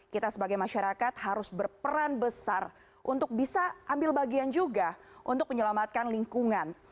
kita sebagai masyarakat harus berperan besar untuk bisa ambil bagian juga untuk menyelamatkan lingkungan